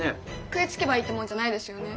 食いつけばいいってもんじゃないですよね？